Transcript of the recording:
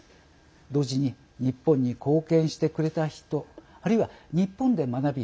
同時に、日本に貢献してくれた人あるいは、日本で学び